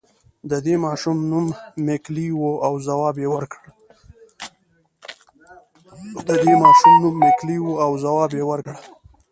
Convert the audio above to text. د دې ماشومې نوم ميکلي و او ځواب يې ورکړ.